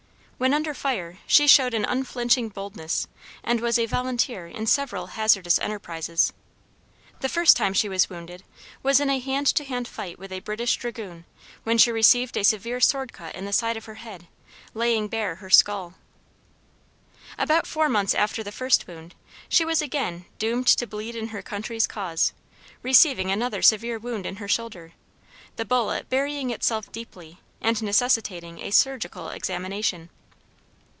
When under fire, she showed an unflinching boldness, and was a volunteer in several hazardous enterprises. The first time she was wounded, was in a hand to hand fight with a British dragoon, when she received a severe sword cut in the side of her head, laying bare her skull. About four months after the first wound, she was again doomed to bleed in her country's cause, receiving another severe wound in her shoulder, the bullet burying itself deeply, and necessitating a surgical examination.